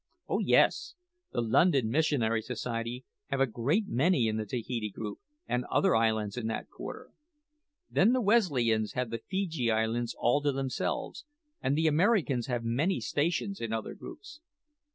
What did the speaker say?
"Oh yes. The London Missionary Society have a great many in the Tahiti group, and other islands in that quarter. Then the Wesleyans have the Feejee Islands all to themselves, and the Americans have many stations in other groups.